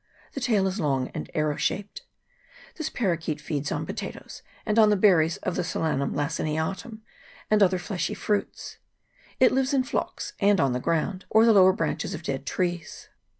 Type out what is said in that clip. The tail is long and arrow shaped. This paroquet feeds on potatoes, and on the berries of the Solanum laci niatum and other fleshy fruits ; it lives in flocks, and on the ground, or the lower branches of dead trees.